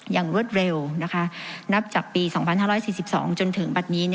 อย่างรวดเร็วนะคะนับจากปี๒๕๔๒จนถึงปัจนี้